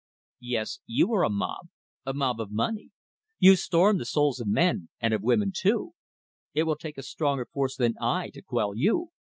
"Yes you are a mob; a mob of money! You storm the souls of men, and of women too. It will take a stronger force than I to quell you."